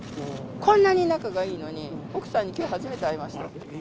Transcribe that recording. こんなに仲がいいのに、奥さんにきょう初めて会いました。